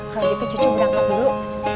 kalau gitu cu cu berangkat dulu